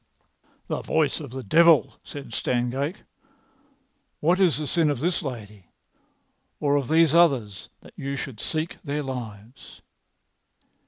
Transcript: "The voice of the devil," said Stangate. "What is the sin of this lady, or of these others, that you should seek their lives?"